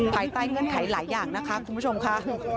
ภายใต้เงื่อนไขหลายอย่างนะคะคุณผู้ชมค่ะ